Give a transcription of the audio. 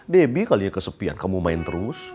debbie kalinya kesepian kamu main terus